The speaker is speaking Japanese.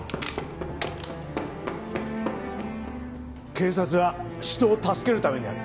警察は人を助けるためにある。